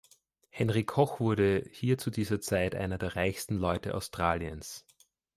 Henry Koch wurde hier zu dieser Zeit einer der reichsten Leute Australiens.